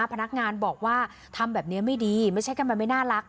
พนักงานบอกว่าทำแบบนี้ไม่ดีไม่ใช่แค่มันไม่น่ารัก